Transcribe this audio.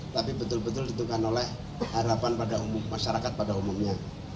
tapi betul betul ditukan oleh harapan pada masyarakat pada umumnya